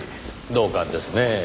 同感ですねぇ。